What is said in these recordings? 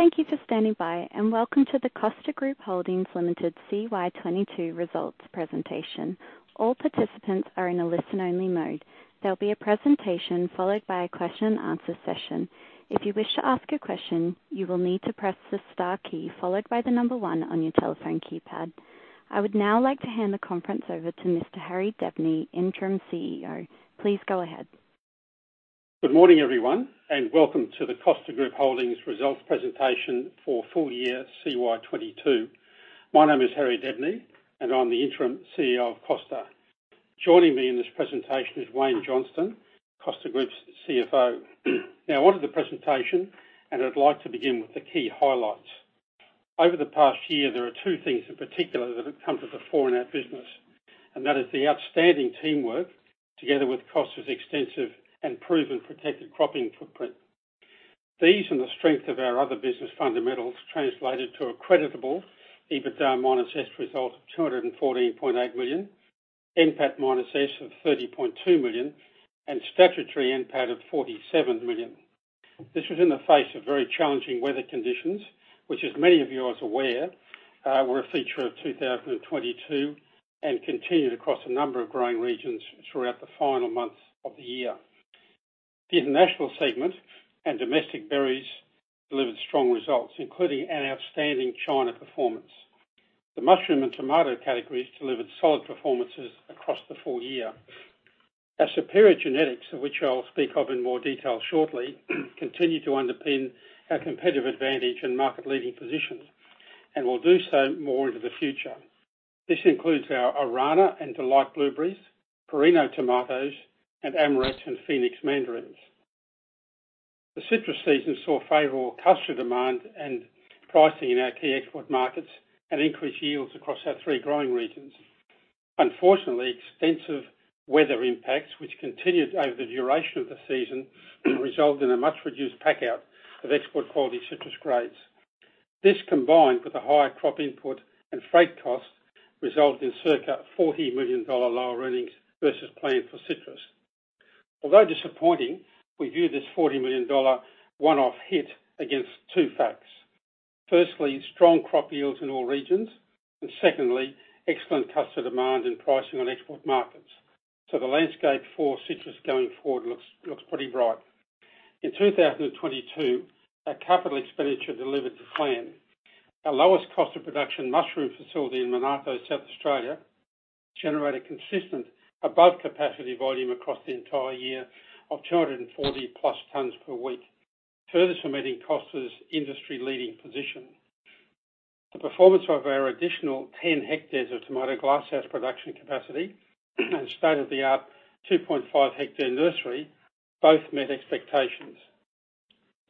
Thank you for standing by, welcome to the Costa Group Holdings Limited CY 2022 results presentation. All participants are in a listen-only mode. There'll be a presentation followed by a question and answer session. If you wish to ask a question, you will need to press the star key followed by the one on your telephone keypad. I would now like to hand the conference over to Mr. Harry Debney, interim CEO. Please go ahead. Good morning, everyone, welcome to the Costa Group Holdings results presentation for full year CY 2022. My name is Harry Debney, and I'm the interim CEO of Costa. Joining me in this presentation is Wayne Johnston, Costa Group's CFO. Now, on to the presentation, and I'd like to begin with the key highlights. Over the past year, there are two things in particular that have come to the fore in our business, and that is the outstanding teamwork together with Costa's extensive and proven protected cropping footprint. These and the strength of our other business fundamentals translated to a creditable EBITDA-S result of $214.8 million, NPAT-S of $30.2 million, and statutory NPAT of $47 million. This was in the face of very challenging weather conditions, which as many of you are aware, were a feature of 2022 and continued across a number of growing regions throughout the final months of the year. The international segment and domestic berries delivered strong results, including an outstanding China performance. The mushroom and tomato categories delivered solid performances across the full year. Our superior genetics, of which I'll speak of in more detail shortly, continue to underpin our competitive advantage and market-leading positions and will do so more into the future. This includes our Arana and Delight blueberries, Perino tomatoes, and Amorette and Phoenix Mandarins. The citrus season saw favorable customer demand and pricing in our key export markets and increased yields across our three growing regions. Unfortunately, extensive weather impacts which continued over the duration of the season resulted in a much reduced pack out of export quality citrus grades. This, combined with the higher crop input and freight costs, resulted in circa $40 million lower earnings versus plan for citrus. Although disappointing, we view this $40 million one-off hit against two facts. Firstly, strong crop yields in all regions, and secondly, excellent customer demand and pricing on export markets. The landscape for citrus going forward looks pretty bright. In 2022, our capital expenditure delivered to plan. Our lowest cost of production mushroom facility in Monarto, South Australia, generated consistent above capacity volume across the entire year of 240+ tons per week, further cementing Costa's industry-leading position. The performance of our additional 10 hectares of tomato glasshouse production capacity and state-of-the-art 2.5-hectare nursery both met expectations.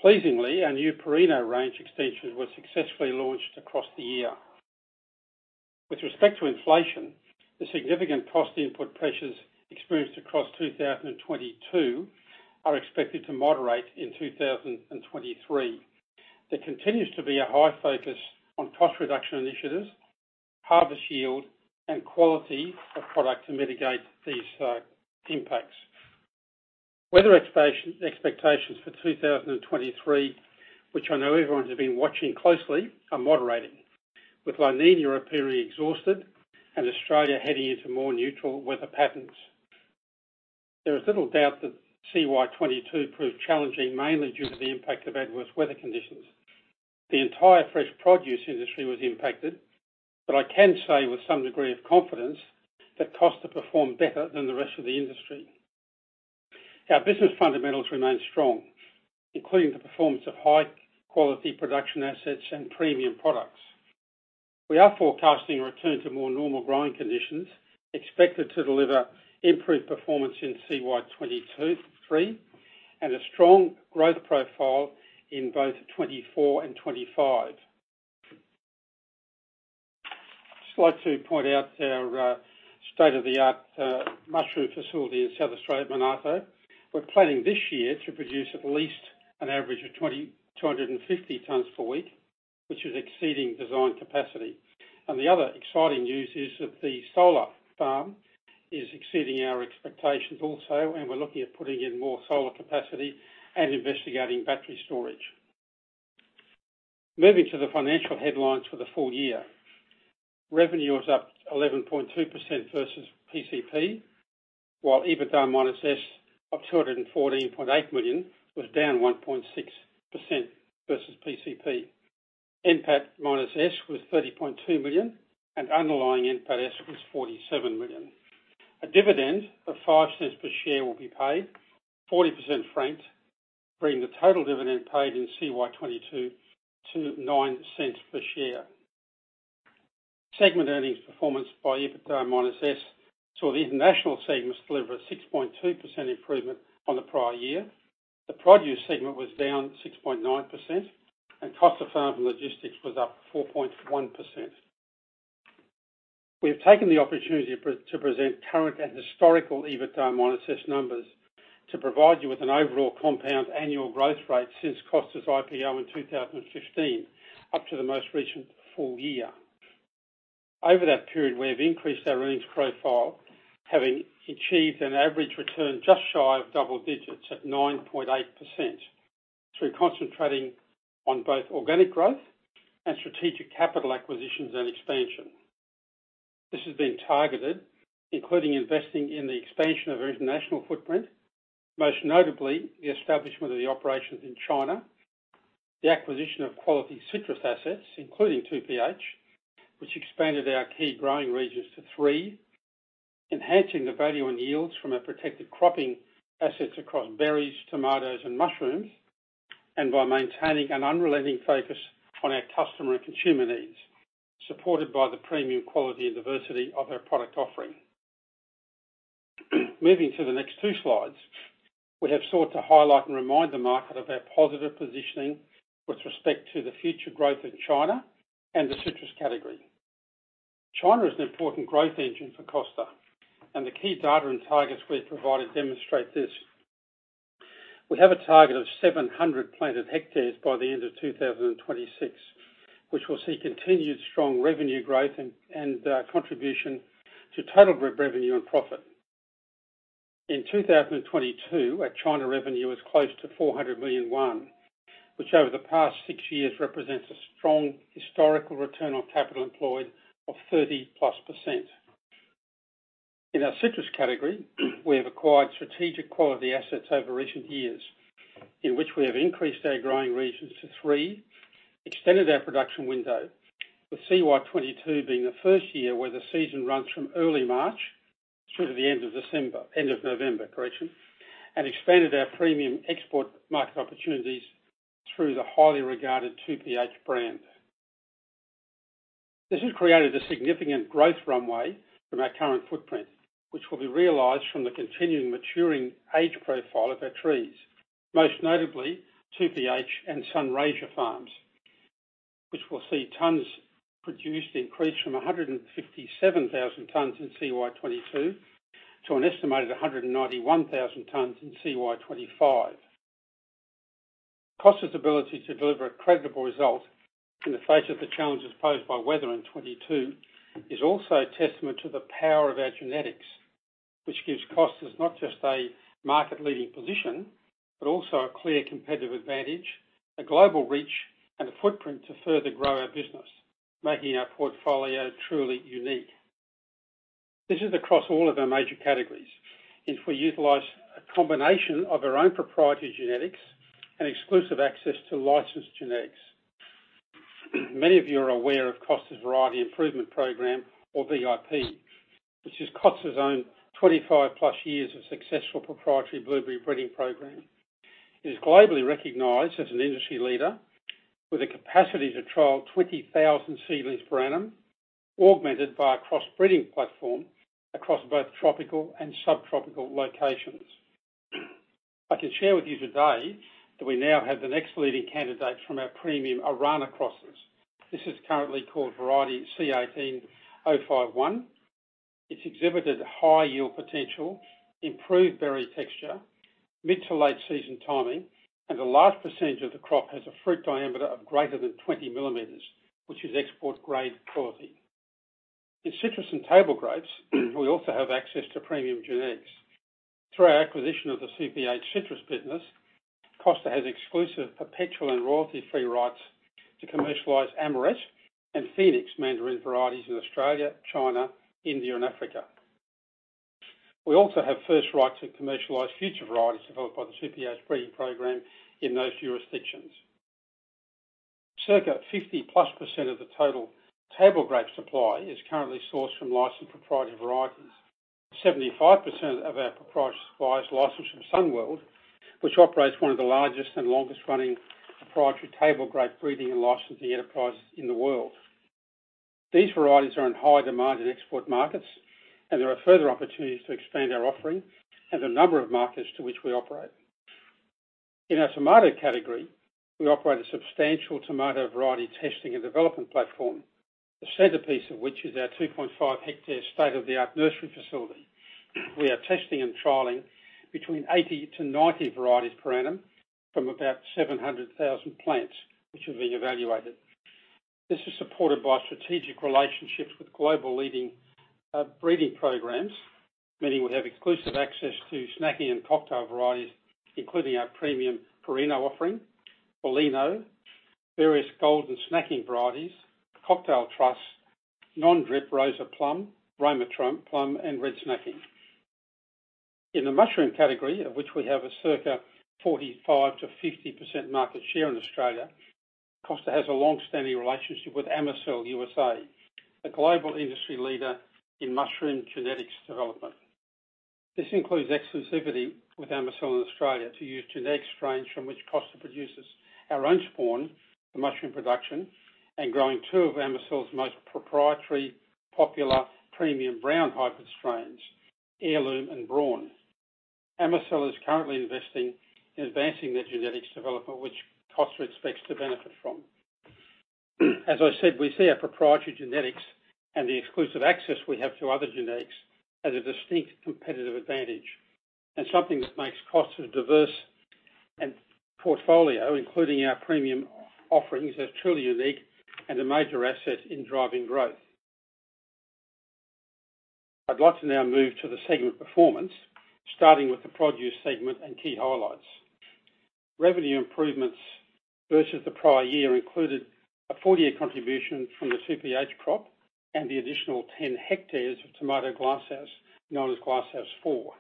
Pleasingly, our new Perino range extension was successfully launched across the year. With respect to inflation, the significant cost input pressures experienced across 2022 are expected to moderate in 2023. There continues to be a high focus on cost reduction initiatives, harvest yield, and quality of product to mitigate these impacts. Weather expectations for 2023, which I know everyone's been watching closely, are moderating. With La Niña appearing exhausted and Australia heading into more neutral weather patterns. There is little doubt that CY 2022 proved challenging, mainly due to the impact of adverse weather conditions. The entire fresh produce industry was impacted, but I can say with some degree of confidence that Costa performed better than the rest of the industry. Our business fundamentals remain strong, including the performance of high-quality production assets and premium products. We are forecasting a return to more normal growing conditions, expected to deliver improved performance in CY 2022-2023, and a strong growth profile in both 2024 and 2025. I'd just like to point out our state-of-the-art mushroom facility in South Australia at Monarto. We're planning this year to produce at least an average of 250 tons per week, which is exceeding design capacity. The other exciting news is that the solar farm is exceeding our expectations also, and we're looking at putting in more solar capacity and investigating battery storage. Moving to the financial headlines for the full year. Revenue was up 11.2% versus PCP, while EBITDA-S of $214.8 million was down 1.6% versus PCP. NPAT-S was $30.2 million, and underlying NPAT-S was $47 million. A dividend of $0.05 per share will be paid, 40% franked, bringing the total dividend paid in CY 2022 to $0.09 per share. Segment earnings performance by EBITDA-S saw the international segments deliver a 6.2% improvement on the prior year. The produce segment was down 6.9%, and Costa Farm logistics was up 4.1%. We have taken the opportunity to present current and historical EBITDA-S numbers to provide you with an overall compound annual growth rate since Costa's IPO in 2015 up to the most recent full year. Over that period, we have increased our earnings profile, having achieved an average return just shy of double digits at 9.8%, through concentrating on both organic growth and strategic capital acquisitions and expansion. This has been targeted, including investing in the expansion of our international footprint, most notably the establishment of the operations in China, the acquisition of quality citrus assets, including 2PH, which expanded our key growing regions to three, enhancing the value and yields from our protected cropping assets across berries, tomatoes and mushrooms, and by maintaining an unrelenting focus on our customer consumer needs, supported by the premium quality and diversity of our product offering. Moving to the next two slides, we have sought to highlight and remind the market of our positive positioning with respect to the future growth in China and the citrus category. China is an important growth engine for Costa, and the key data and targets we've provided demonstrate this. We have a target of 700 planted hectares by the end of 2026, which will see continued strong revenue growth and contribution to total group revenue and profit. In 2022, our China revenue was close to CNY 400 million, which over the past six years represents a strong historical return on capital employed of +30%. In our citrus category, we have acquired strategic quality assets over recent years, in which we have increased our growing regions to three, extended our production window, with CY 2022 being the first year where the season runs from early March through to the end of December, end of November, correction. Expanded our premium export market opportunities through the highly regarded 2PH brand. This has created a significant growth runway from our current footprint, which will be realized from the continuing maturing age profile of our trees, most notably 2PH and Sunraysia farms, which will see tons produced increase from 157,000 tons in CY 2022 to an estimated 191,000 tons in CY 2025. Costa's ability to deliver a credible result in the face of the challenges posed by weather in 2022 is also a testament to the power of our genetics, which gives Costa not just a market-leading position, but also a clear competitive advantage, a global reach, and a footprint to further grow our business, making our portfolio truly unique. This is across all of our major categories, and we utilize a combination of our own proprietary genetics and exclusive access to licensed genetics. Many of you are aware of Costa's Variety Improvement Program, or VIP, which is Costa's own 25+ years of successful proprietary blueberry breeding program. It is globally recognized as an industry leader with a capacity to trial 20,000 seedlings per annum, augmented by a cross-breeding platform across both tropical and subtropical locations. I can share with you today that we now have the next leading candidate from our premium Arana crosses. This is currently called Variety C18-051. It's exhibited high yield potential, improved berry texture, mid to late season timing, and a large percentage of the crop has a fruit diameter of greater than 20 millimeters, which is export grade quality. In citrus and table grapes, we also have access to premium genetics. Through our acquisition of the 2PH citrus business, Costa has exclusive perpetual and royalty-free rights to commercialize Amorette and Phoenix mandarin varieties in Australia, China, India and Africa. We also have first right to commercialize future varieties developed by the 2PH breeding program in those jurisdictions. Circa +50% of the total table grape supply is currently sourced from licensed proprietary varieties. 75% of our proprietary supply is licensed from Sun World, which operates one of the largest and longest running proprietary table grape breeding and licensing enterprises in the world. There are further opportunities to expand our offering and the number of markets to which we operate. In our tomato category, we operate a substantial tomato variety testing and development platform, the centerpiece of which is our 2.5 hectares state-of-the-art nursery facility. We are testing and trialing between 80-90 varieties per annum from about 700,000 plants which are being evaluated. This is supported by strategic relationships with global leading breeding programs, meaning we have exclusive access to snacking and cocktail varieties, including our premium Perino offering, Bellino, various gold and snacking varieties, cocktail trusts, non-drip Roma plum, Roma plum and red snacking. In the mushroom category, of which we have a circa 45%-50% market share in Australia, Costa has a long-standing relationship with Amycel USA, a global industry leader in mushroom genetics development. This includes exclusivity with Amycel in Australia to use genetic strains from which Costa produces our own spawn for mushroom production and growing two of Amycel's most proprietary, popular premium brown hybrid strains, Heirloom and Brown. Amycel is currently investing in advancing their genetics development, which Costa expects to benefit from. As I said, we see our proprietary genetics and the exclusive access we have to other genetics as a distinct competitive advantage and something that makes Costa's diverse portfolio, including our premium offerings, are truly unique and a major asset in driving growth. I'd like to now move to the segment performance, starting with the produce segment and key highlights. Revenue improvements versus the prior year included a full-year contribution from the 2PH crop and the additional 10 hectares of tomato glasshouse, known as Glasshouse Four.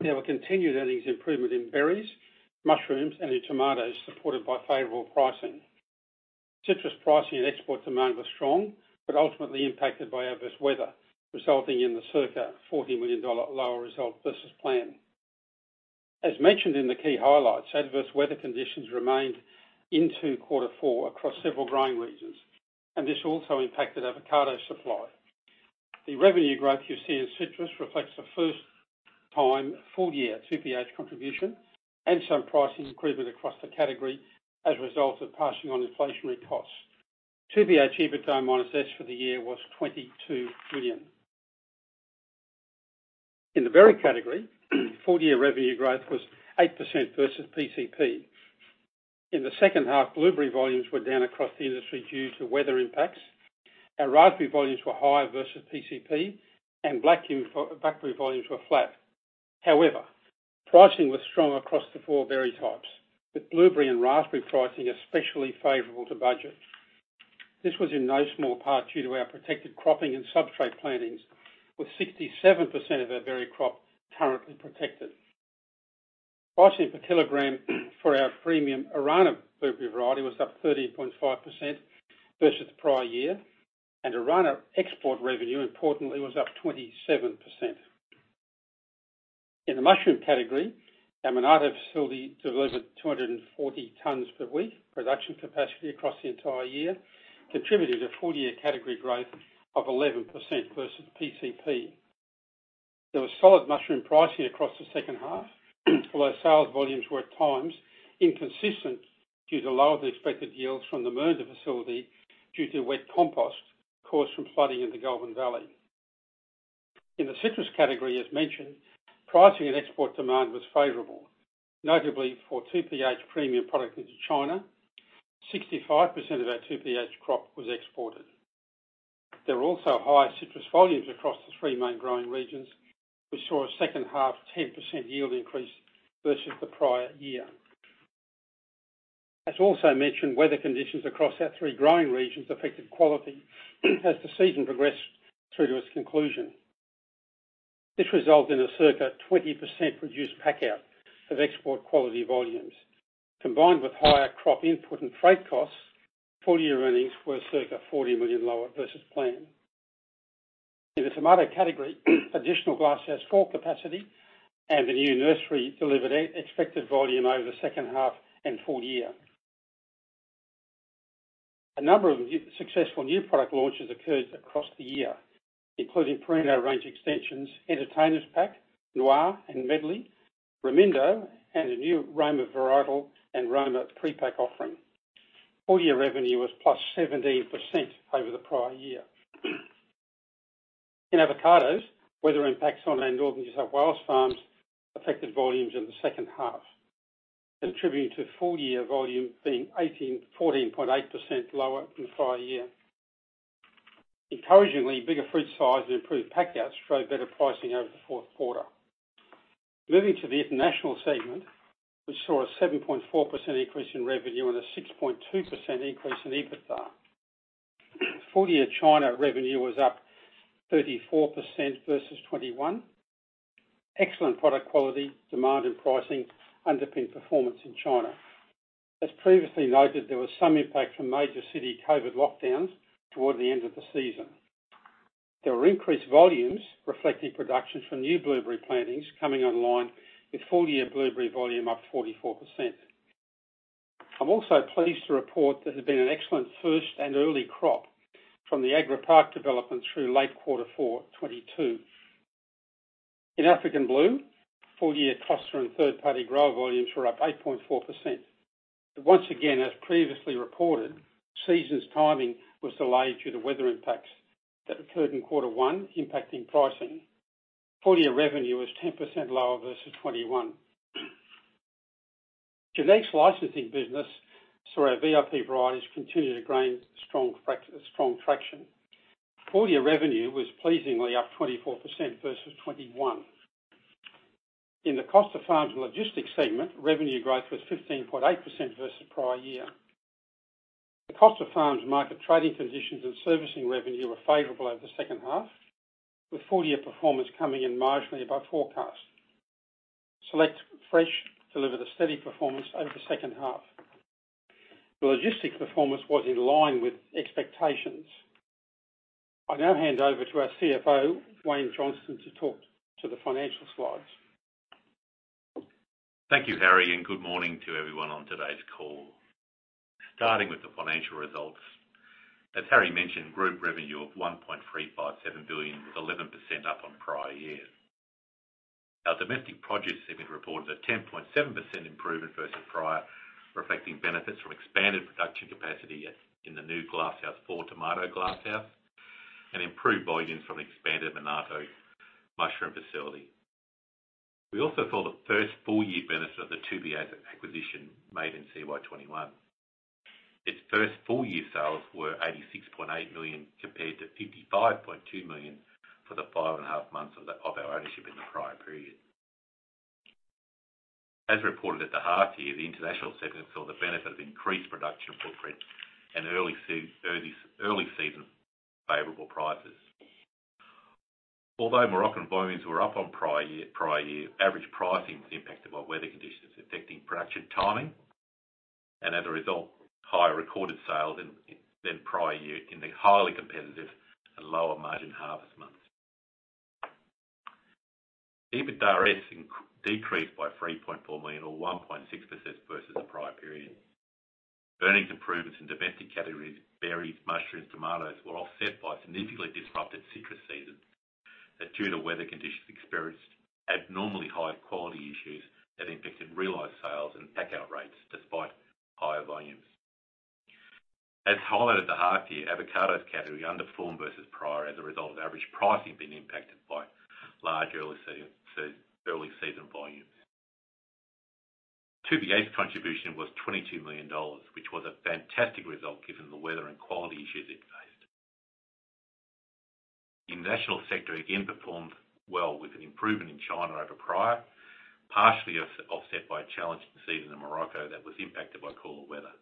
There were continued earnings improvement in berries, mushrooms, and in tomatoes, supported by favorable pricing. Ultimately impacted by adverse weather, resulting in the circa $40 million lower result versus plan. As mentioned in the key highlights, adverse weather conditions remained into quarter four across several growing regions, and this also impacted avocado supply. The revenue growth you see in citrus reflects the first time full-year 2PH contribution and some pricing improvement across the category as a result of passing on inflationary costs. 2PH EBITDA-S for the year was $22 million. In the berry category, full-year revenue growth was 8% versus PCP. In the second half, blueberry volumes were down across the industry due to weather impacts. Our raspberry volumes were higher versus PCP, and blackberry volumes were flat. However, pricing was strong across the four berry types, with blueberry and raspberry pricing especially favorable to budget. This was in no small part due to our protected cropping and substrate plantings, with 67% of our berry crop currently protected. Pricing per kilogram for our premium Arana blueberry variety was up 13.5% versus the prior year, and Arana export revenue, importantly, was up 27%. In the mushroom category, our Monarto facility delivered 240 tons per week. Production capacity across the entire year contributed a full-year category growth of 11% versus PCP. There was solid mushroom pricing across the second half, although sales volumes were, at times, inconsistent due to lower-than-expected yields from the Mernda facility due to wet compost caused from flooding in the Goulburn Valley. In the citrus category, as mentioned, pricing and export demand was favorable, notably for 2PH premium product into China. 65% of our 2PH crop was exported. There were also higher citrus volumes across the three main growing regions. We saw a second half 10% yield increase versus the prior year. As also mentioned, weather conditions across our three growing regions affected quality as the season progressed through to its conclusion. This resulted in a circa 20% reduced packout of export quality volumes. Combined with higher crop input and freight costs, full-year earnings were circa $40 million lower versus plan. In the tomato category, additional glasshouse core capacity and the new nursery delivered expected volume over the second half and full year. A number of successful new product launches occurred across the year, including Perino range extensions, Entertainers Pack, Noir and Medley, Romendo, and a new Roma varietal and Roma pre-pack offering. Full-year revenue was +17% over the prior year. In avocados, weather impacts on our New South Wales farms affected volumes in the second half, contributing to full-year volume being 14.8% lower than prior year. Encouragingly, bigger fruit size and improved packouts showed better pricing over the fourth quarter. Moving to the international segment, we saw a 7.4% increase in revenue and a 6.2% increase in EBITDA. Full-year China revenue was up 34% versus 2021. Excellent product quality, demand, and pricing underpinned performance in China. As previously noted, there was some impact from major city COVID lockdowns toward the end of the season. There were increased volumes reflecting production from new blueberry plantings coming online, with full-year blueberry volume up 44%. I'm also pleased to report there has been an excellent first and early crop from the Agri Park development through late Q4 2022. In African Blue, full-year cluster and third-party grower volumes were up 8.4%. Once again, as previously reported, season's timing was delayed due to weather impacts that occurred in quarter one, impacting pricing. Full-year revenue was 10% lower versus 2021. Genetics Licensing business saw our VIP varieties continue to gain strong traction. Full-year revenue was pleasingly up 24% versus 2021. In the Costa Farms and Logistics segment, revenue growth was 15.8% versus prior year. Costa Farms market trading conditions and servicing revenue were favorable over the second half, with full-year performance coming in marginally above forecast. Select Fresh delivered a steady performance over the second half. The logistic performance was in line with expectations. I now hand over to our CFO, Wayne Johnston, to talk to the financial slides. Thank you, Harry. Good morning to everyone on today's call. Starting with the financial results. As Harry mentioned, group revenue of $1.357 billion was 11% up on prior year. Our domestic produce segment reported a 10.7% improvement versus prior, reflecting benefits from expanded production capacity in the new Glasshouse Four tomato glasshouse. Improved volumes from expanded Monarto mushroom facility. We also saw the first full year benefit of the 2BA acquisition made in CY 2021. Its first full year sales were $86.8 million compared to $55.2 million for the five and a half months of our ownership in the prior period. As reported at the half year, the international segment saw the benefit of increased production footprint and early season favorable prices. Although Moroccan volumes were up on prior year, average pricing was impacted by weather conditions affecting production timing and as a result, higher recorded sales than prior year in the highly competitive and lower margin harvest months. EBITDA-S decreased by $3.4 million or 1.6% versus the prior period. Earnings improvements in domestic categories berries, mushrooms, tomatoes were offset by significantly disrupted citrus season that due to weather conditions, experienced abnormally high quality issues that impacted realized sales and pack out rates despite higher volumes. As highlighted at the half year, avocados category underperformed versus prior as a result of average pricing being impacted by large early season volumes. 2BA's contribution was $22 million, which was a fantastic result given the weather and quality issues it faced. International sector again performed well with an improvement in China over prior, partially offset by a challenging season in Morocco that was impacted by cooler weather.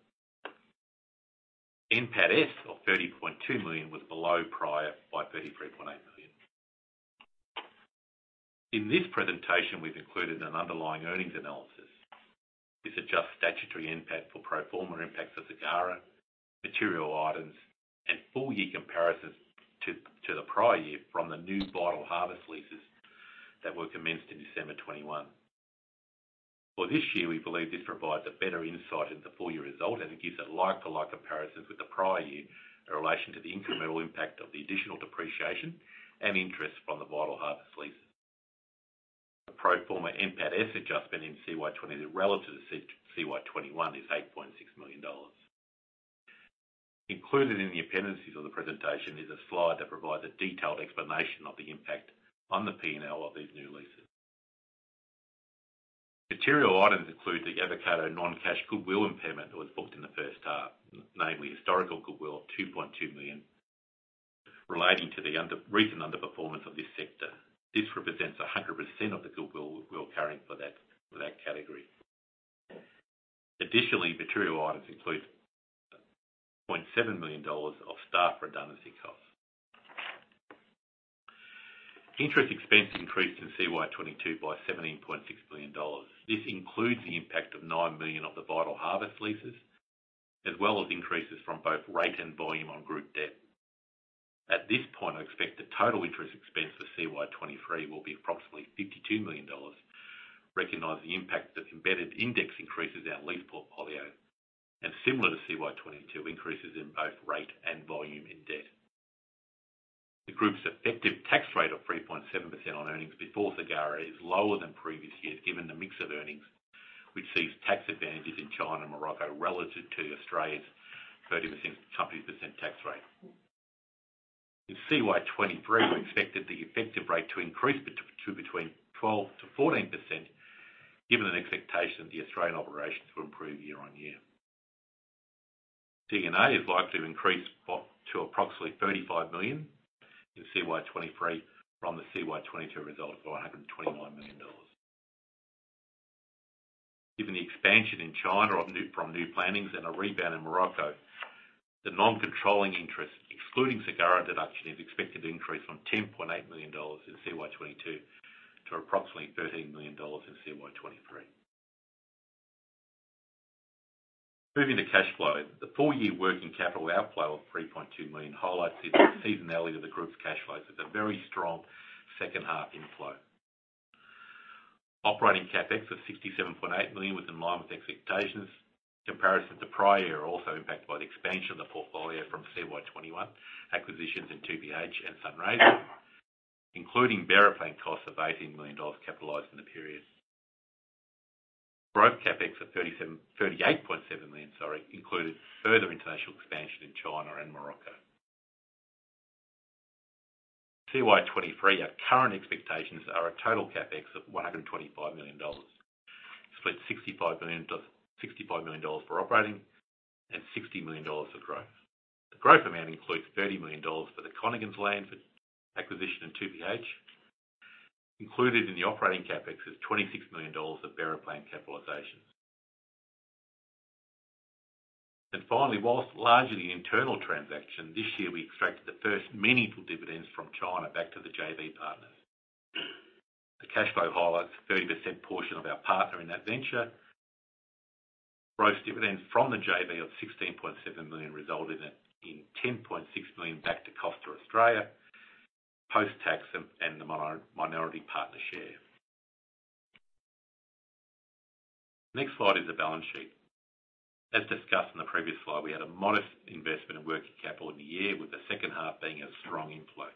NPAT-S of $30.2 million was below prior by $33.8 million. In this presentation, we've included an underlying earnings analysis. This adjusts statutory NPAT for pro forma impacts of Zagara, material items, and full year comparisons to the prior year from the new Vitalharvest leases that were commenced in December 2021. For this year, we believe this provides a better insight into full year results, and it gives a like-to-like comparisons with the prior year in relation to the incremental impact of the additional depreciation and interest from the Vitalharvest leases. The pro forma NPAT-S adjustment in CY 2020 relative to CY 2021 is $8.6 million. Included in the appendices of the presentation is a slide that provides a detailed explanation of the impact on the P&L of these new leases. Material items include the avocado non-cash goodwill impairment that was booked in the first half, namely historical goodwill of $2.2 million relating to the recent underperformance of this sector. This represents 100% of the goodwill we're carrying for that category. Additionally, material items include $0.7 million of staff redundancy costs. Interest expense increased in CY 2022 by $17.6 million. This includes the impact of $9 million of the Vitalharvest leases, as well as increases from both rate and volume on group debt. At this point, I expect the total interest expense for CY 2023 will be approximately $52 million, recognizing the impact of embedded index increases our lease portfolio and similar to CY 2022, increases in both rate and volume in debt. The group's effective tax rate of 3.7% on earnings before Zagara is lower than previous years, given the mix of earnings, which sees tax advantages in China and Morocco relative to Australia's 20% tax rate. In CY 2023, we expected the effective rate to increase to between 12%-14% given an expectation that the Australian operations will improve year-on-year. D&A is likely to increase to approximately $35 million in CY 2023 from the CY 2022 result of $121 million. Given the expansion in China from new plannings and a rebound in Morocco, the non-controlling interest, excluding Zagara deduction, is expected to increase from $10.8 million in CY 2022 to approximately $13 million in CY 2023. Moving to cash flow. The full year working capital outflow of $3.2 million highlights the seasonality of the group's cash flows with a very strong second half inflow. Operating CapEx of $67.8 million was in line with expectations. Comparison to prior year are also impacted by the expansion of the portfolio from CY 2021 acquisitions in 2PH and Sunraysia, including bare plane costs of $18 million capitalized in the period. Growth CapEx of $38.7 million, sorry, included further international expansion in China and Morocco. CY 2023, our current expectations are a total CapEx of $125 million, split $65 million for operating and $60 million for growth. The growth amount includes $30 million for the Conaghans land for acquisition in 2PH. Included in the operating CapEx is $26 million of bare of land capitalizations. Finally, whilst largely an internal transaction, this year we extracted the first meaningful dividends from China back to the JV partners. The cash flow highlights a 30% portion of our partner in that venture. Gross dividends from the JV of $16.7 million, resulting in $10.6 million back to Costa Australia, post-tax and the minority partner share. The next slide is the balance sheet. As discussed in the previous slide, we had a modest investment in working capital in the year, with the second half being a strong inflow.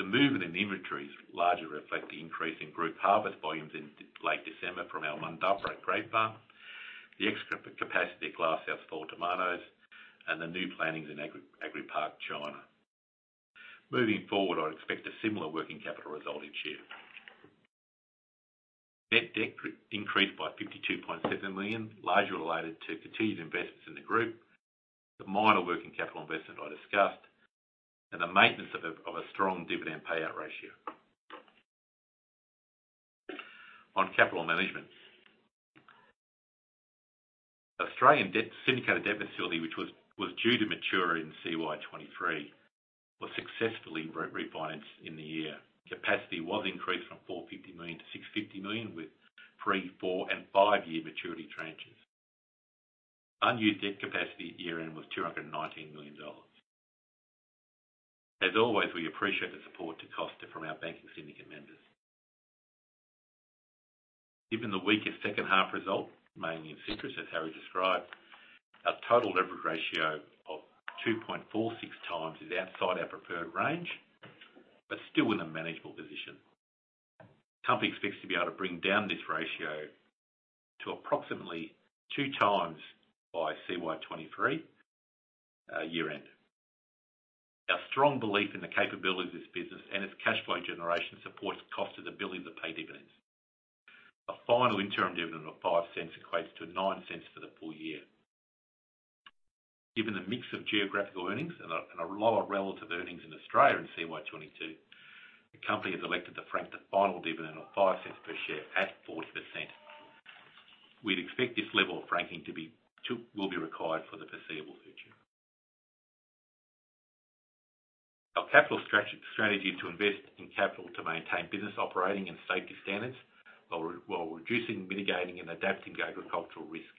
The movement in inventories largely reflect the increase in group harvest volumes in late December from our Mundubbera grape farm, the extra capacity at Glasshouse Four, and the new plantings in Agripark, China. I'd expect a similar working capital result each year. Net debt increased by $52.7 million, largely related to continued investments in the group, the minor working capital investment I discussed, and the maintenance of a strong dividend payout ratio. On capital management. Syndicated debt facility, which was due to mature in CY 2023, was successfully refinanced in the year. Capacity was increased from $450 million to $650 million with three, four, and five-year maturity tranches. Unused debt capacity at year-end was $219 million. As always, we appreciate the support to Costa from our banking syndicate members. Given the weaker second half result, mainly in citrus, as Harry described, our total leverage ratio of 2.46x is outside our preferred range, but still in a manageable position. Company expects to be able to bring down this ratio to approximately 2x by CY 2023 year-end. Our strong belief in the capabilities of this business and its cash flow generation supports Costa's ability to pay dividends. A final interim dividend of $0.05 equates to $0.09 for the full year. Given the mix of geographical earnings and a lower relative earnings in Australia in CY 2022, the company has elected to frank the final dividend of $0.05 per share at 40%. We'd expect this level of franking will be required for the foreseeable future. Our capital strategy to invest in capital to maintain business operating and safety standards while reducing, mitigating, and adapting to agricultural risk.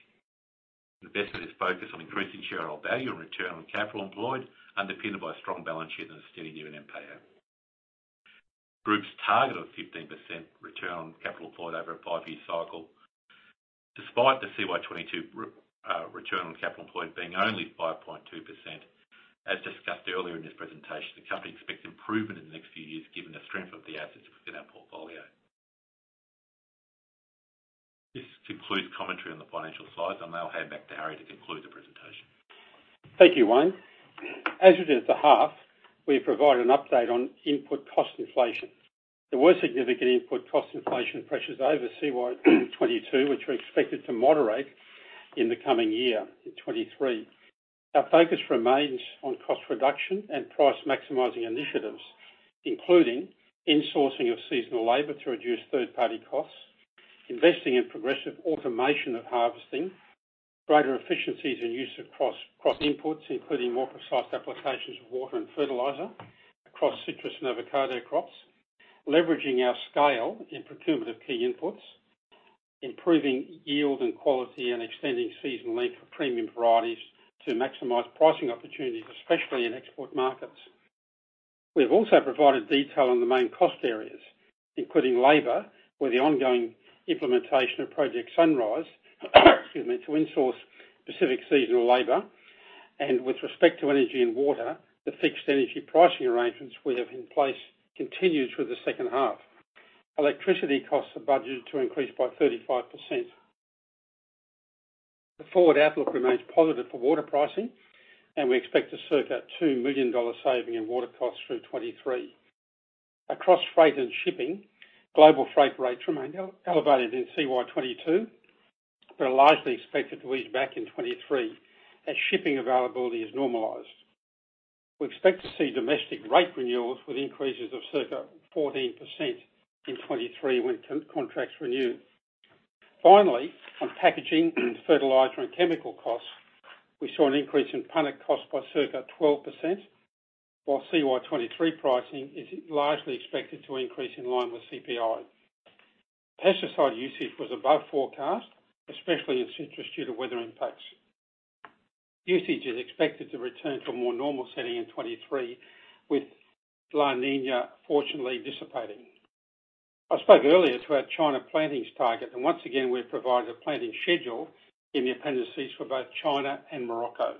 Investment is focused on increasing shareholder value and return on capital employed, underpinned by a strong balance sheet and a steady year-end payout. Group's target of 15% return on capital employed over a five-year cycle. Despite the CY 2022 return on capital employed being only 5.2%, as discussed earlier in this presentation, the company expects improvement in the next few years given the strength of the assets within our portfolio. This concludes commentary on the financial slides. I'll now hand back to Harry to conclude the presentation. Thank you, Wayne. As we did at the half, we provide an update on input cost inflation. There were significant input cost inflation pressures over CY 2022, which we expected to moderate in the coming year, in 2023. Our focus remains on cost reduction and price-maximizing initiatives, including insourcing of seasonal labor to reduce third-party costs, investing in progressive automation of harvesting, greater efficiencies in use of cross-cross inputs, including more precise applications of water and fertilizer across citrus and avocado crops, leveraging our scale in procurement of key inputs, improving yield and quality, and extending season length for premium varieties to maximize pricing opportunities, especially in export markets. We have also provided detail on the main cost areas, including labor, where the ongoing implementation of Project Sunrise, excuse me, to insource specific seasonal labor. With respect to energy and water, the fixed energy pricing arrangements we have in place continues through the second half. Electricity costs are budgeted to increase by 35%. The forward outlook remains positive for water pricing, and we expect a circa $2 million saving in water costs through 2023. Across freight and shipping, global freight rates remained elevated in CY 2022, but are largely expected to ease back in 2023 as shipping availability is normalized. We expect to see domestic rate renewals with increases of circa 14% in 2023 when contracts renew. Finally, on packaging, fertilizer, and chemical costs, we saw an increase in punnet costs by circa 12%, while CY 2023 pricing is largely expected to increase in line with CPI. Pesticide usage was above forecast, especially in citrus, due to weather impacts. Usage is expected to return to a more normal setting in 2023, with La Niña fortunately dissipating. I spoke earlier to our China plantings target, once again, we've provided a planting schedule in the appendices for both China and Morocco.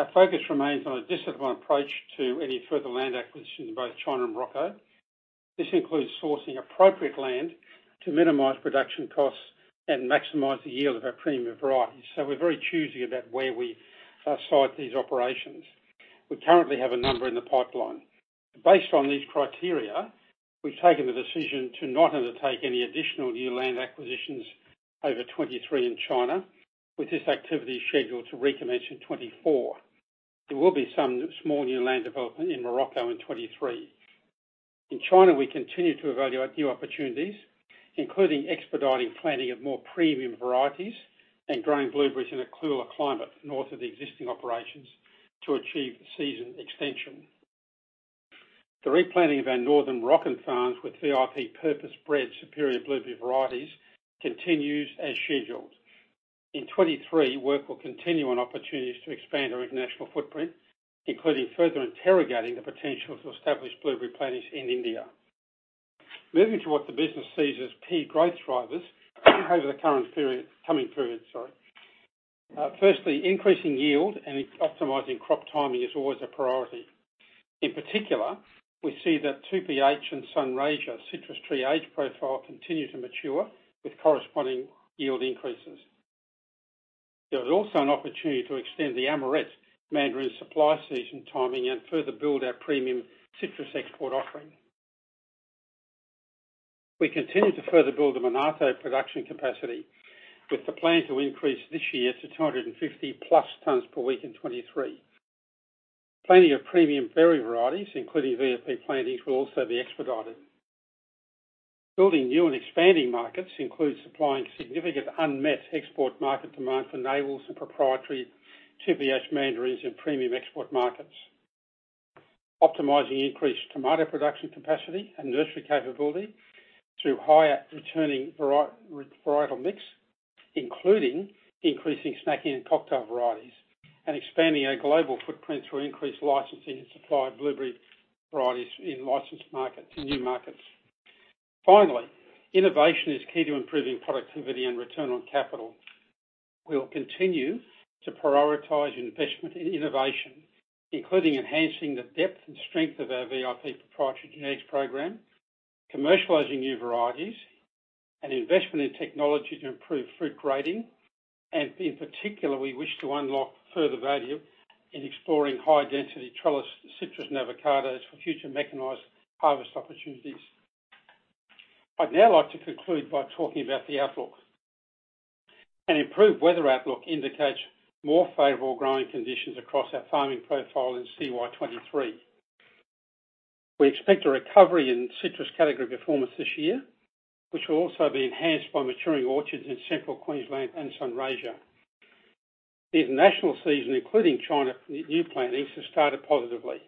Our focus remains on a disciplined approach to any further land acquisitions in both China and Morocco. This includes sourcing appropriate land to minimize production costs and maximize the yield of our premium varieties. We're very choosy about where we site these operations. We currently have a number in the pipeline. Based on these criteria, we've taken the decision to not undertake any additional new land acquisitions over 2023 in China, with this activity scheduled to recommence in 2024. There will be some small new land development in Morocco in 2023. In China, we continue to evaluate new opportunities, including expediting planting of more premium varieties and growing blueberries in a cooler climate north of the existing operations to achieve season extension. The replanting of our northern Rockham farms with VIP purpose-bred superior blueberry varieties continues as scheduled. In 2023, work will continue on opportunities to expand our international footprint, including further interrogating the potential to establish blueberry plantings in India. Moving to what the business sees as key growth drivers over the current period, coming period, sorry. Firstly, increasing yield and optimizing crop timing is always a priority. In particular, we see that 2PH and Sunraysia citrus tree age profile continue to mature with corresponding yield increases. There is also an opportunity to extend the Amorette mandarin supply season timing and further build our premium citrus export offering. We continue to further build the Monarto production capacity, with the plan to increase this year to 250+ tons per week in 2023. Planting of premium berry varieties, including VIP plantings, will also be expedited. Building new and expanding markets includes supplying significant unmet export market demand for navels and proprietary 2PH mandarins in premium export markets. Optimizing increased tomato production capacity and nursery capability through higher returning varietal mix, including increasing snacking and cocktail varieties, and expanding our global footprint through increased licensing and supply of blueberry varieties in licensed markets in new markets. Finally, innovation is key to improving productivity and return on capital. We'll continue to prioritize investment in innovation, including enhancing the depth and strength of our VIP proprietary genetics program, commercializing new varieties, and investment in technology to improve fruit grading, and in particular, we wish to unlock further value in exploring high-density trellis, citrus, and avocados for future mechanized harvest opportunities. I'd now like to conclude by talking about the outlook. An improved weather outlook indicates more favorable growing conditions across our farming profile in CY 2023. We expect a recovery in citrus category performance this year, which will also be enhanced by maturing orchards in Central Queensland and Sunraysia. The international season, including China new plantings, has started positively.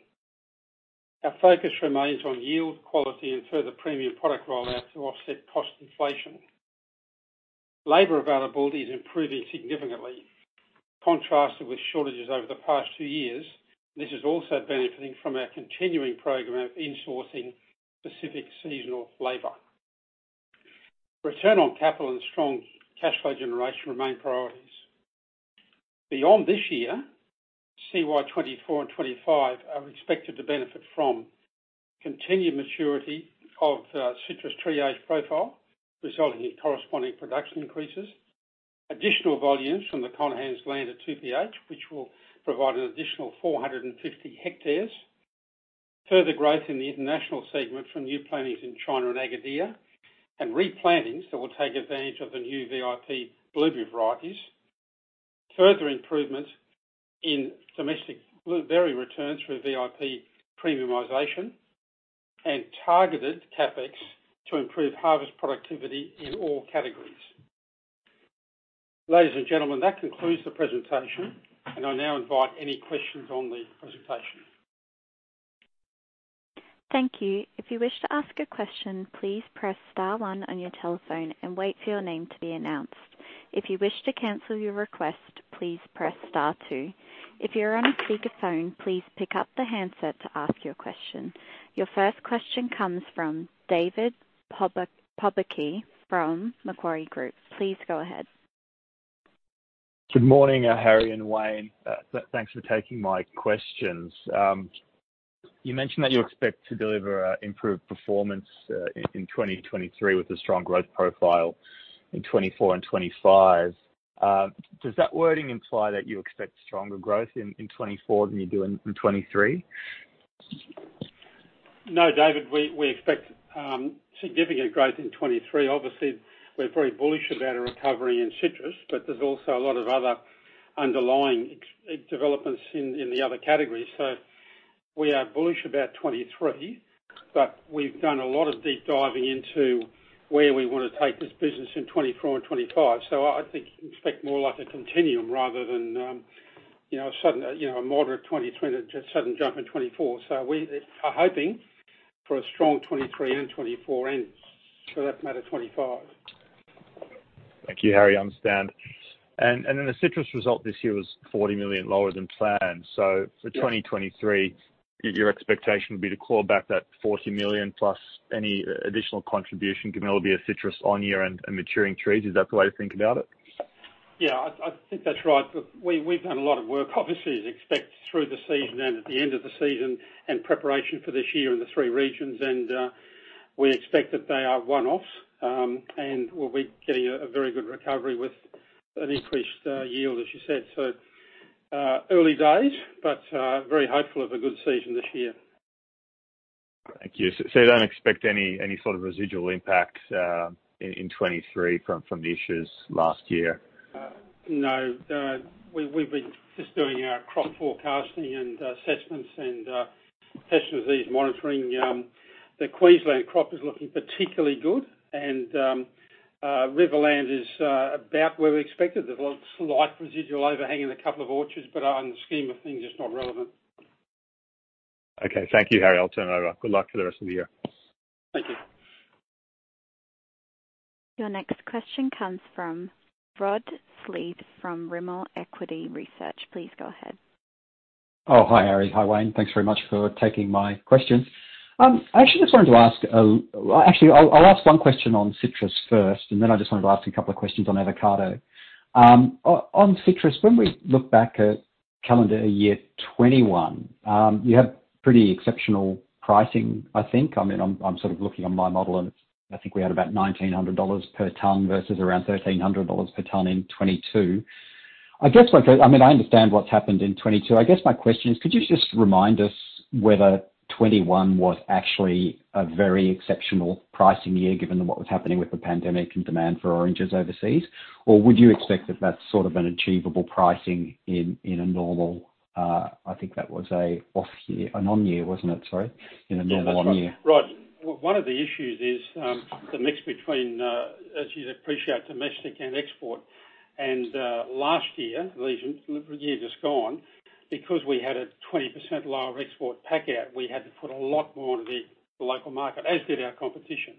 Our focus remains on yield, quality, and further premium product rollout to offset cost inflation. Labor availability is improving significantly, contrasted with shortages over the past two years. This is also benefiting from our continuing program of in-sourcing specific seasonal labor. Return on capital and strong cash flow generation remain priorities. Beyond this year, CY 2024 and 2025 are expected to benefit from continued maturity of citrus tree age profile, resulting in corresponding production increases. Additional volumes from the Conaghans land at 2PH, which will provide an additional 450 hectares. Further growth in the international segment from new plantings in China and Agadir, and replantings that will take advantage of the new VIP blueberry varieties. Further improvements in domestic blueberry returns through VIP premiumization, and targeted CapEx to improve harvest productivity in all categories. Ladies and gentlemen, that concludes the presentation. I now invite any questions on the presentation. Thank you. If you wish to ask a question, please press star one on your telephone and wait for your name to be announced. If you wish to cancel your request, please press star two. If you're on a speakerphone, please pick up the handset to ask your question. Your first question comes from David Pobucky from Macquarie Group. Please go ahead. Good morning, Harry and Wayne. Thanks for taking my questions. You mentioned that you expect to deliver improved performance in 2023 with a strong growth profile in 2024 and 2025. Does that wording imply that you expect stronger growth in 2024 than you do in 2023? No, David. We expect significant growth in 2023. Obviously, we're very bullish about a recovery in citrus, but there's also a lot of other underlying developments in the other categories. We are bullish about 2023, but we've done a lot of deep diving into where we wanna take this business in 2024 and 2025. I think you can expect more like a continuum rather than, you know, a sudden, you know, a moderate 2020 to a sudden jump in 2024. We are hoping for a strong 2023 and 2024 and for that matter, 2025. Thank you, Harry. I understand. The citrus result this year was $40 million lower than planned. Yeah. For 2023, your expectation would be to claw back that $40+ million any additional contribution, given it'll be a citrus on year and maturing trees. Is that the way to think about it? Yeah, I think that's right. We've done a lot of work, obviously, as expected, through the season and at the end of the season, and preparation for this year in the three regions, we expect that they are one-offs. We'll be getting a very good recovery with an increased yield, as you said. Early days, but very hopeful of a good season this year. Thank you. You don't expect any sort of residual impacts, in 23 from the issues last year? No. We've been just doing our crop forecasting and assessments and pest and disease monitoring. The Queensland crop is looking particularly good and Riverland is about where we expected. There's a slight residual overhang in a couple of orchards, but in the scheme of things, it's not relevant. Okay. Thank you, Harry. I'll turn it over. Good luck for the rest of the year. Thank you. Your next question comes from Rodney Sleath from Rimor Equity Research. Please go ahead. Oh, hi, Harry. Hi, Wayne. Thanks very much for taking my questions. I actually just wanted to ask, actually, I'll ask one question on citrus first, and then I just wanted to ask a couple of questions on avocado. On citrus, when we look back at calendar year 2021, you had pretty exceptional pricing, I think. I mean, I'm sort of looking on my model, and it's, I think we had about $1,900 per ton versus around $1,300 per ton in 2022. I guess like, I mean, I understand what's happened in 2022. I guess my question is, could you just remind us whether 2021 was actually a very exceptional pricing year, given what was happening with the pandemic and demand for oranges overseas? Would you expect that that's sort of an achievable pricing in a normal, I think that was a off year, a non-year, wasn't it? Sorry, in a normal year. Yeah, right. One of the issues is the mix between, as you'd appreciate, domestic and export. Last year, these years is gone, because we had a 20% lower export pack out, we had to put a lot more into the local market, as did our competition.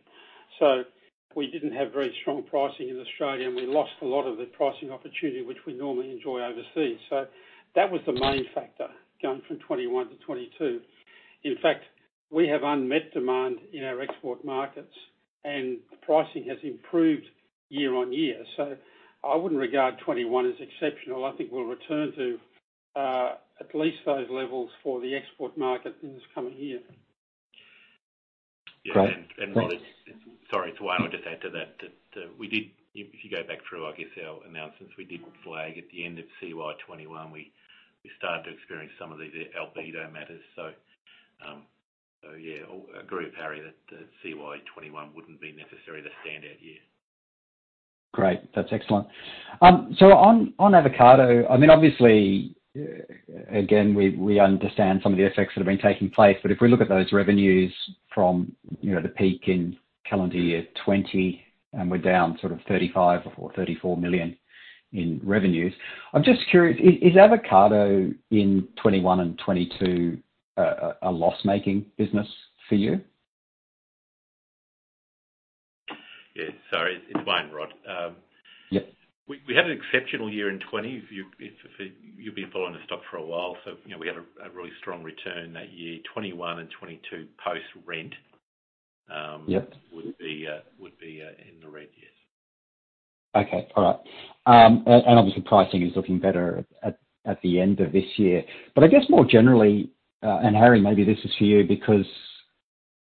We didn't have very strong pricing in Australia, and we lost a lot of the pricing opportunity which we normally enjoy overseas. That was the main factor going from 2021 to 2022. In fact, we have unmet demand in our export markets, and pricing has improved year on year. I wouldn't regard 2021 as exceptional. I think we'll return to at least those levels for the export market in this coming year. Great, thanks. Yeah, and Rod, sorry, it's Wayne. I'll just add to that we did, if you go back through, I guess, our announcements, we did flag at the end of CY 2021, we started to experience some of these Albedo matters. Yeah, I agree with Harry that CY 2021 wouldn't be necessarily the standout year. Great. That's excellent. On avocado, I mean, obviously, again, we understand some of the effects that have been taking place, but if we look at those revenues from, you know, the peak in calendar year 2020, and we're down sort of $35 million or $34 million in revenues. I'm just curious, is avocado in 2021 and 2022 a loss-making business for you? Sorry, it's Wayne, Rod. Yep. We had an exceptional year in 2020. If you've been following the stock for a while, you know, we had a really strong return that year. 2021 and 2022 post-rent. Yep. Would be in the red, yes. Okay. All right. Obviously pricing is looking better at the end of this year. I guess more generally, and Harry, maybe this is for you because,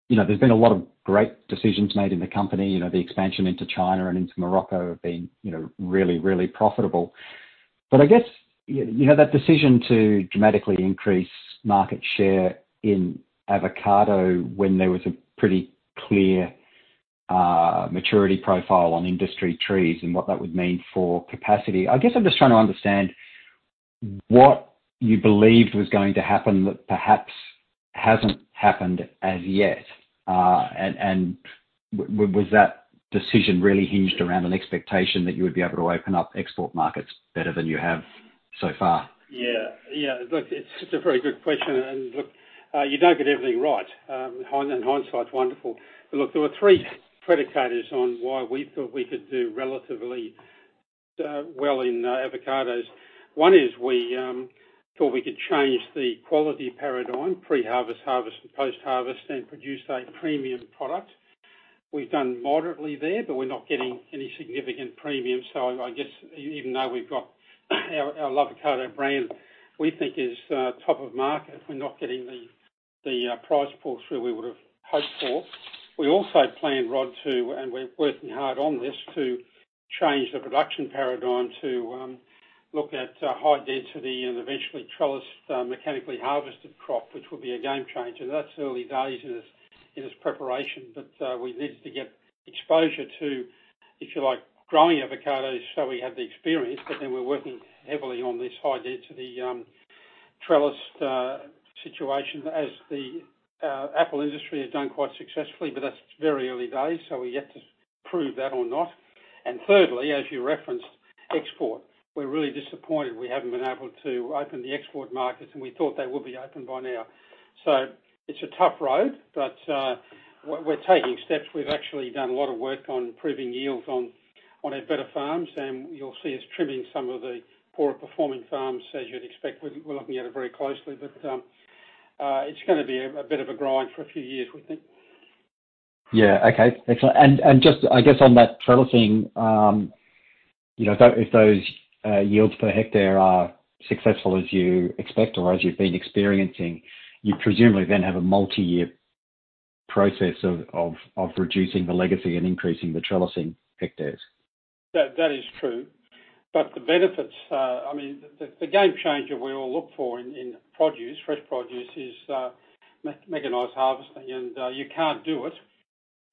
you know, there's been a lot of great decisions made in the company, you know, the expansion into China and into Morocco have been, you know, really, really profitable. I guess, you know, that decision to dramatically increase market share in avocado when there was a pretty clear maturity profile on industry trees and what that would mean for capacity. I guess I'm just trying to understand what you believed was going to happen that perhaps hasn't happened as yet. Was that decision really hinged around an expectation that you would be able to open up export markets better than you have so far? Yeah, yeah. Look, it's such a very good question. Look, you don't get everything right, and hindsight's wonderful. Look, there were three predicators on why we thought we could do relatively well in avocados. One is we thought we could change the quality paradigm, pre-harvest, harvest, and post-harvest, and produce a premium product. We've done moderately there, but we're not getting any significant premium. I guess even though we've got our avocado brand, we think is top of market, we're not getting the price points where we would've hoped for. We also planned, Rod, to, and we're working hard on this, to change the production paradigm to look at high density and eventually trellis mechanically harvested crop, which will be a game changer. That's early days in its preparation, but we needed to get exposure to, if you like, growing avocados so we have the experience. We're working heavily on this high density trellis situation as the apple industry has done quite successfully, but that's very early days, so we're yet to prove that or not. Thirdly, as you referenced, export. We're really disappointed we haven't been able to open the export markets, and we thought they would be open by now. It's a tough road, but we're taking steps. We've actually done a lot of work on improving yields on our better farms, and you'll see us trimming some of the poorer performing farms as you'd expect. We're looking at it very closely, but it's gonna be a bit of a grind for a few years, we think. Yeah. Okay, excellent. Just I guess on that trellis thing, you know, if those yields per hectare are successful as you expect or as you've been experiencing, you presumably then have a multi-year process of reducing the legacy and increasing the trellising hectares. That is true. The benefits, I mean, the game changer we all look for in produce, fresh produce is mechanized harvesting. You can't do it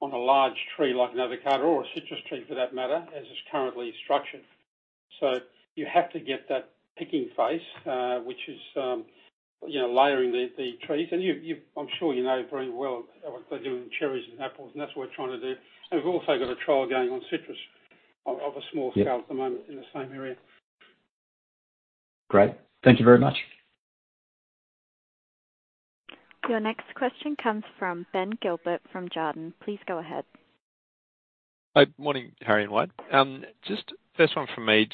on a large tree like an avocado or a citrus tree for that matter, as it's currently structured. You have to get that picking phase, which is, you know, layering the trees. You, I'm sure you know very well what they do in cherries and apples, and that's what we're trying to do. We've also got a trial going on citrus of a small scale. Yeah. At the moment in the same area. Great. Thank you very much. Your next question comes from Ben Gilbert from Jarden. Please go ahead. Hi. Morning, Harry Debney and Wayne Johnston. First one from me.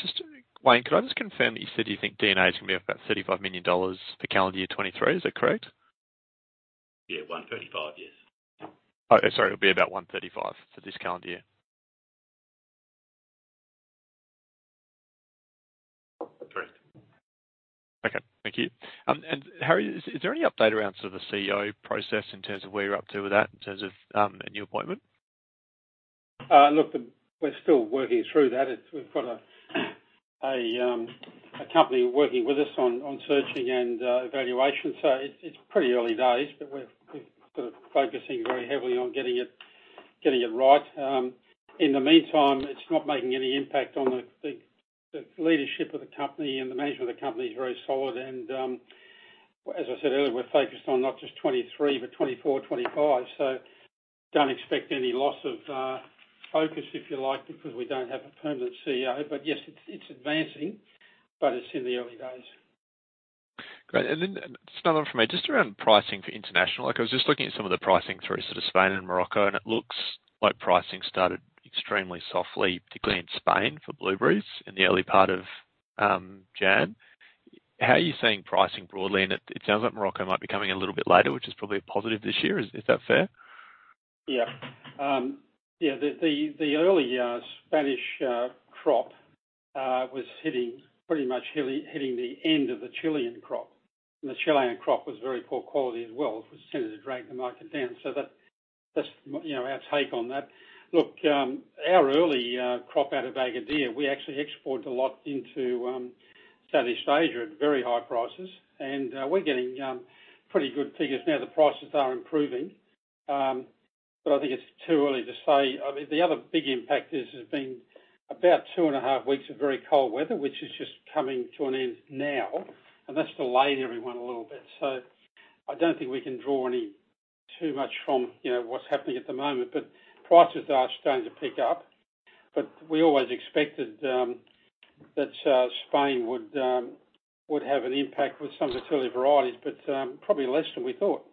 Wayne Johnston, could I confirm that you said you think D&A is gonna be up about $35 million for calendar year 2023? Is that correct? Yeah. $135. Yes. Oh, sorry. It'll be about $135 for this calendar year. Correct. Okay. Thank you. Harry, is there any update around sort of the CEO process in terms of where you're up to with that in terms of a new appointment? Look, we're still working through that. We've got a company working with us on searching and evaluation. It's pretty early days, but we've sort of focusing very heavily on getting it right. In the meantime, it's not making any impact on the leadership of the company, and the management of the company is very solid and, as I said earlier, we're focused on not just 2023, but 2024, 2025. Don't expect any loss of focus, if you like, because we don't have a permanent CEO. Yes, it's advancing, but it's in the early days. Great. Then just another one for me. Just around pricing for international. Like, I was just looking at some of the pricing through sort of Spain and Morocco. It looks like pricing started extremely softly, particularly in Spain for blueberries in the early part of January. How are you seeing pricing broadly? It sounds like Morocco might be coming a little bit later, which is probably a positive this year. Is that fair? Yeah. The early Spanish crop was hitting pretty much hitting the end of the Chilean crop. The Chilean crop was very poor quality as well, which tended to drag the market down. That's, you know, our take on that. Look, our early crop out of Agadir, we actually export a lot into Southeast Asia at very high prices. We're getting pretty good figures now. The prices are improving. I think it's too early to say. I mean, the other big impact is, there's been about two and a half weeks of very cold weather, which is just coming to an end now, and that's delayed everyone a little bit. I don't think we can draw any too much from, you know, what's happening at the moment, but prices are starting to pick up. We always expected that Spain would have an impact with some of the chili varieties, but probably less than we thought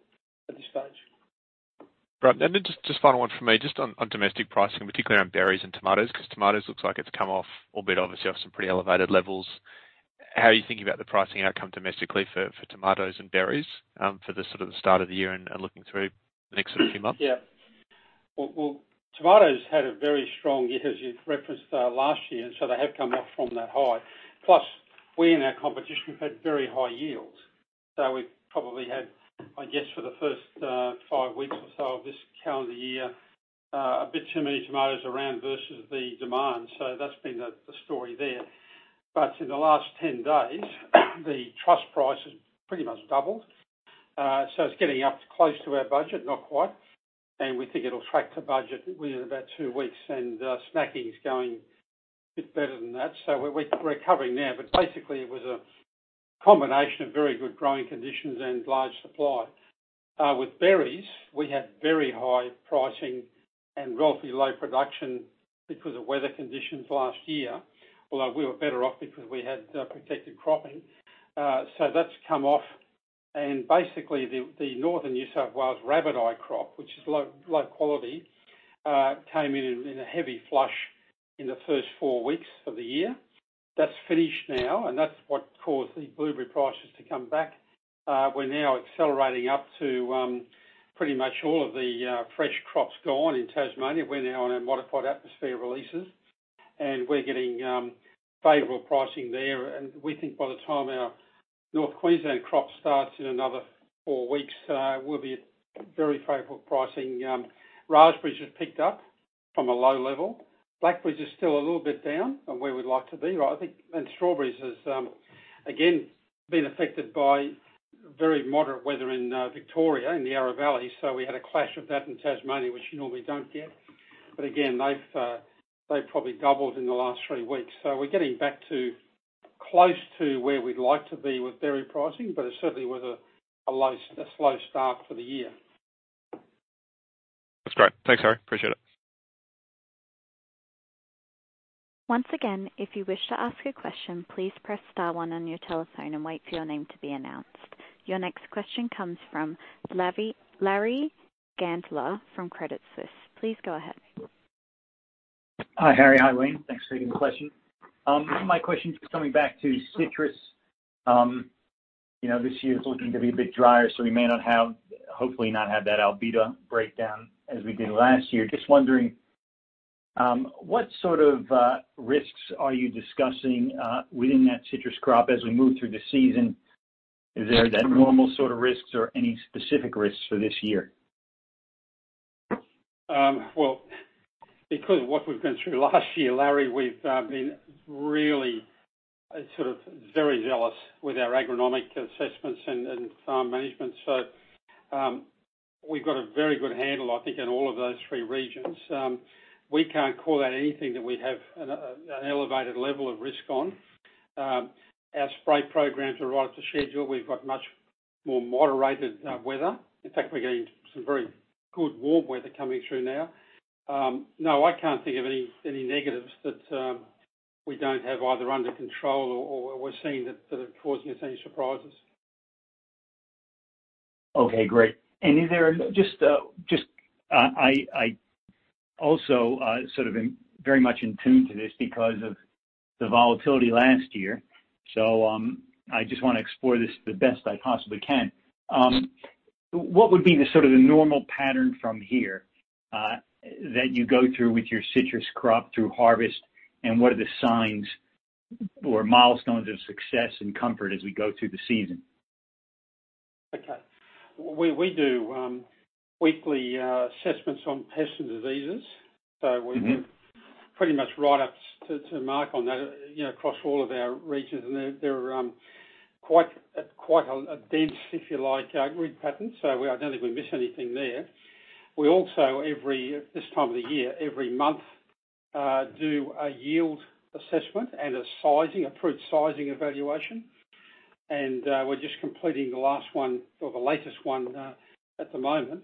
at this stage. Right. Just final one for me, just on domestic pricing, particularly on berries and tomatoes, 'cause tomatoes looks like it's come off, albeit obviously off some pretty elevated levels. How are you thinking about the pricing outcome domestically for tomatoes and berries, for the sort of the start of the year and looking through the next sort of few months? Well, tomatoes had a very strong year, as you've referenced, last year. They have come off from that high. Plus, we and our competition had very high yields, so we've probably had, I guess, for the first five weeks or so of this calendar year, a bit too many tomatoes around versus the demand. That's been the story there. In the last 10 days, the truss price has pretty much doubled. It's getting up close to our budget, not quite. We think it'll track to budget within about two weeks. Snacking is going a bit better than that. We're recovering now, but basically it was a combination of very good growing conditions and large supply. With berries, we had very high pricing and roughly low production because of weather conditions last year, although we were better off because we had protected cropping. That's come off. Basically, the Northern New South Wales rabbiteye crop, which is low quality, came in in a heavy flush in the first four weeks of the year. That's finished now, and that's what caused the blueberry prices to come back. We're now accelerating up to pretty much all of the fresh crops gone in Tasmania. We're now on our modified atmosphere releases, and we're getting favorable pricing there. We think by the time our North Queensland crop starts in another four weeks, we'll be at very favorable pricing. Raspberries have picked up from a low level. Blackberries are still a little bit down on where we'd like to be, right? Strawberries has again been affected by very moderate weather in Victoria, in the Yarra Valley. We had a clash of that in Tasmania, which you normally don't get. Again, they've probably doubled in the last three weeks. We're getting back to close to where we'd like to be with berry pricing, but it certainly was a slow start for the year. That's great. Thanks, Harry. Appreciate it. Once again, if you wish to ask a question, please press star one on your telephone and wait for your name to be announced. Your next question comes from Larry Gandler from Credit Suisse. Please go ahead. Hi, Harry. Hi, Wayne. Thanks for taking the question. My question is coming back to citrus. You know, this year it's looking to be a bit drier, so we may not have hopefully not have that albedo breakdown as we did last year. Just wondering what sort of risks are you discussing within that citrus crop as we move through the season? Is there that normal sort of risks or any specific risks for this year? Well, because of what we've gone through last year, Larry, we've been really sort of very zealous with our agronomic assessments and farm management. We've got a very good handle, I think, in all of those three regions. We can't call that anything that we have an elevated level of risk on. Our spray programs are right up to schedule. We've got much more moderated weather. In fact, we're getting some very good warm weather coming through now. No, I can't think of any negatives that. We don't have either under control or we're seeing that it causing us any surprises. Okay, great. Is there just I also sort of in very much in tune to this because of the volatility last year, I just wanna explore this the best I possibly can. What would be the sort of the normal pattern from here that you go through with your citrus crop through harvest, and what are the signs or milestones of success and comfort as we go through the season? We do weekly assessments on pests and diseases. Mm-hmm. We've been pretty much right up to mark on that, you know, across all of our regions. They're quite a dense, if you like, grid pattern. I don't think we miss anything there. We also, this time of the year, every month, do a yield assessment and a fruit sizing evaluation, we're just completing the last one or the latest one at the moment.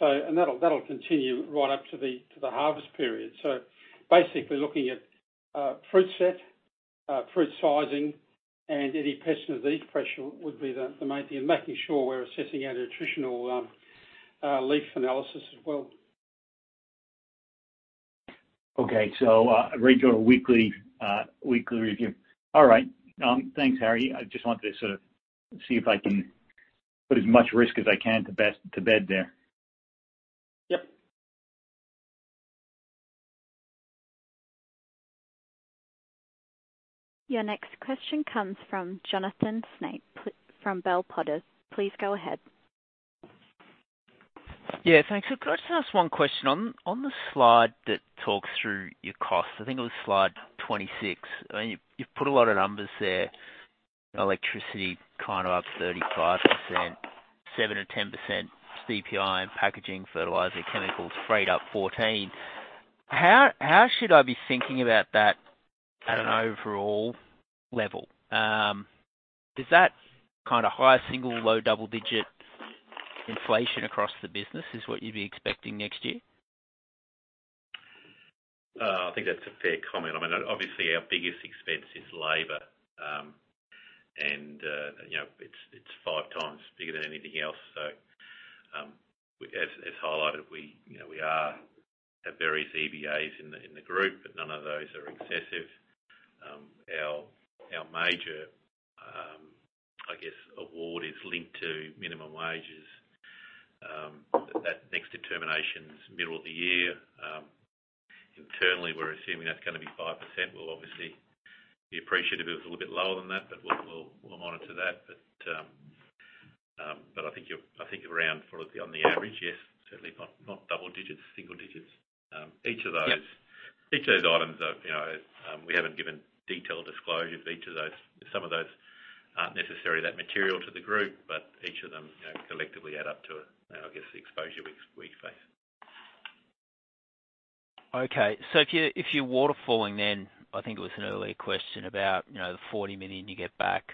That'll continue right up to the harvest period. Basically looking at fruit set, fruit sizing and any pest and disease pressure would be the main thing. Making sure we're assessing our nutritional leaf analysis as well. Okay. a regular weekly review. All right. thanks, Harry. I just wanted to sort of see if I can put as much risk as I can to bed there. Yep. Your next question comes from Jonathan Snape from Bell Potter. Please go ahead. Yeah, thanks. Could I just ask one question? On the slide that talks through your costs, I think it was slide 26. I mean, you've put a lot of numbers there. Electricity kind of up 35%, 7%-10% CPI in packaging, fertilizer, chemicals, freight up 14. How should I be thinking about that at an overall level? Is that kinda high single, low double-digit inflation across the business, is what you'd be expecting next year? I think that's a fair comment. I mean, obviously, our biggest expense is labor. You know, it's five times bigger than anything else. As highlighted, you know, we are at various EBAs in the group, but none of those are excessive. Our major, I guess, award is linked to minimum wages, that next determination's middle of the year. Internally, we're assuming that's gonna be 5%. We'll obviously be appreciative if it's a little bit lower than that, but we'll monitor that. I think you're around for the, on the average, yes. Certainly not double digits, single digits. Each of those. Yeah. Each of those items are, you know, we haven't given detailed disclosures of each of those. Some of those aren't necessarily that material to the group, but each of them, you know, collectively add up to, I guess, the exposure we face. If you're waterfalling, then I think it was an earlier question about, you know, the $40 million you get back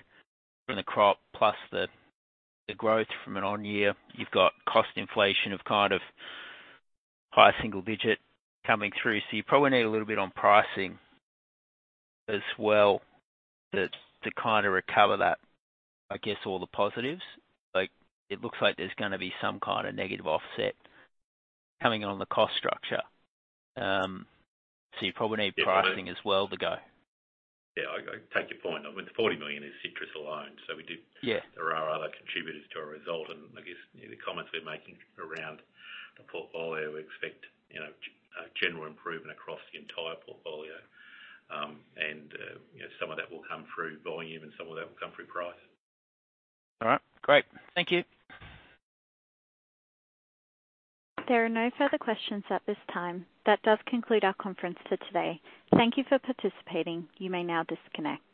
from the crop plus the growth from an on year. You've got cost inflation of kind of high single-digit coming through. You probably need a little bit on pricing as well to kind of recover that, I guess, all the positives. Like, it looks like there's gonna be some kind of negative offset coming in on the cost structure. You probably need. Definitely. Pricing as well to go. Yeah, I take your point. I mean, the $40 million is citrus alone. Yeah. There are other contributors to our result. I guess, you know, the comments we're making around the portfolio, we expect, you know, a general improvement across the entire portfolio. You know, some of that will come through volume and some of that will come through price. All right, great. Thank you. There are no further questions at this time. That does conclude our conference for today. Thank you for participating. You may now disconnect.